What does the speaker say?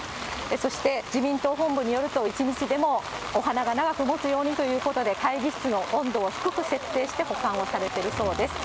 そして、自民党本部によると、一日でもお花が長くもつようにということで、会議室の温度を低く設定して保管をされてるそうです。